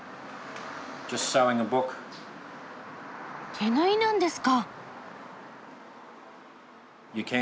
手縫いなんですか。